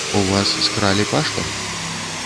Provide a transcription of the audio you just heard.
У вас скралі пашпарт?